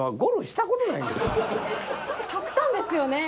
ちょっと極端ですよね。